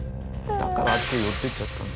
だからあっちに寄っていっちゃったんだ。